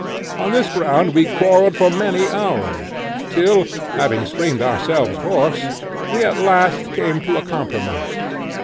On this ground we quarrelled for many hours, till, having screamed ourselves hoarse, we at last came to a compromise.